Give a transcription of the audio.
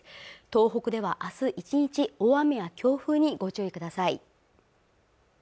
東北ではあす１日大雨や強風にご注意ください